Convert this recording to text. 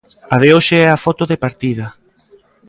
A de hoxe é a foto de partida.